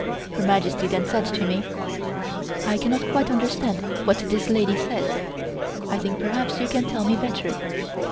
Her Majesty then said to me: "I cannot quite understand what this lady says. I think perhaps you can tell me better."